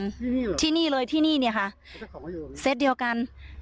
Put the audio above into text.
ที่นี่เหรอที่นี่เลยที่นี่เนี้ยค่ะเซ็ตเดียวกัน